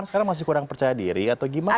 sekarang masih kurang percaya diri atau gimana